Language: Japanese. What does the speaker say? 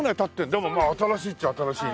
でも新しいっちゃ新しいね。